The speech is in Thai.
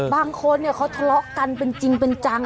บางคนเนี่ยเขาทะเลาะกันเป็นจริงเป็นจัง